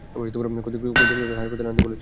ক্ষতিগ্রস্থদের হাসপাতালে আনতে বলেছে।